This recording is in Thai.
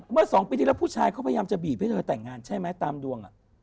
เมื่อ๒ปีที่แล้วผู้ชายเขาพยายามจะบีบให้เธอแต่งงานใช่ไหมตามดวง